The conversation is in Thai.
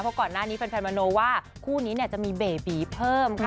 เพราะก่อนหน้านี้แฟนมโนว่าคู่นี้จะมีเบบีเพิ่มค่ะ